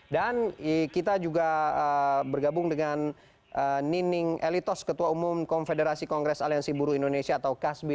dan kita juga bergabung dengan nining elitos ketua umum konfederasi kongres aliansi buruh indonesia atau kasbi